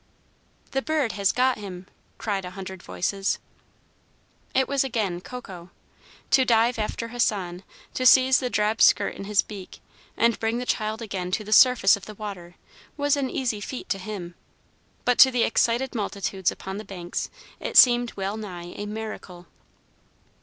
"The bird has got him" cried a hundred voices. It was again Coco! To dive after Hassan, to seize the drab skirt in his beak, and bring the child again to the surface of the water, was an easy feat to him; but to the excited multitudes upon the banks it seemed well nigh a miracle.